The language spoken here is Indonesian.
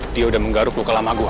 dia udah menggaruk kelama gua